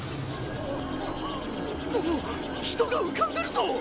・あっ人が浮かんでるぞ！